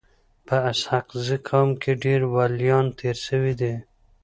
په اسحق زي قوم کي ډير وليان تیر سوي دي.